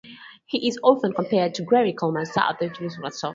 He is often compared to Gary Coleman, star of "Diff'rent Strokes".